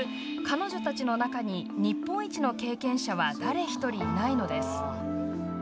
彼女たちの中に日本一の経験者は誰一人いないのです。